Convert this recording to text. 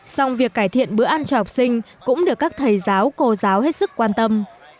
song việc cải thiện bữa ăn cho học sinh cũng được các thầy giáo cô giáo hết sức quan tâm